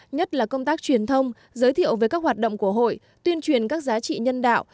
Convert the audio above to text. nhất là công tác truyền thông giới thiệu về các hoạt động của hội tuyên truyền các giá trị nhân đạo